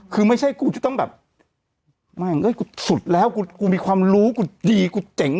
คือไม่ใช่กูจะต้องแบบไม่กูสุดแล้วกูมีความรู้กูดีกูเจ๋ง